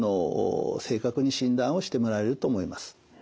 正確に診断をしてもらえると思います。